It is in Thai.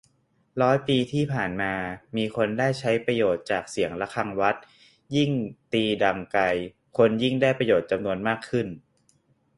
ร้อยปีที่ผ่านมา มีคนได้ใช้ประโยชน์จากเสียงระฆังวัด ยิ่งตีดังไกล คนยิ่งได้ประโยชน์จำนวนมากขึ้น